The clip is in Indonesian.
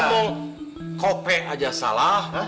ngomong kope aja salah